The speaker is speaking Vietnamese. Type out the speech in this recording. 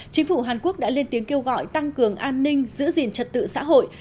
chính phủ hàn quốc đã lên tiếng kêu gọi tăng cường an ninh giữ gìn trật tự xã hội